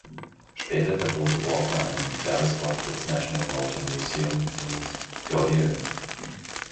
Später vertonte Walker einen Werbespot für das National Motor Museum in Beaulieu.